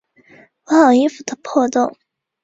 两侧兴建不少贵族豪宅府邸。